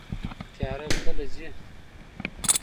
تیاره کله ځي؟